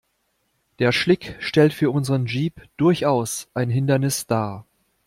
Der Schlick stellt für unseren Jeep durchaus ein Hindernis dar.